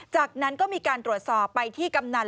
จากนั้นก็มีการตรวจสอบไปที่กำนัน